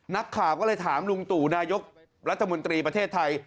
นักข่าวก็เลยถามลุงตู่นายกรัฐมนตรีประเทศไทย